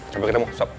sampai ketemu sob